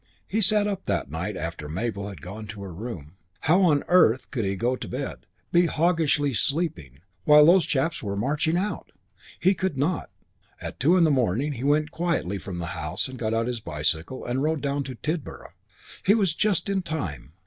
He sat up that night after Mabel had gone to her room. How on earth could he go to bed, be hoggishly sleeping, while those chaps were marching out? He could not. At two in the morning he went quietly from the house and got out his bicycle and rode down into Tidborough. He was just in time.